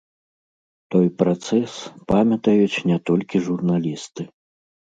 Той працэс памятаюць не толькі журналісты.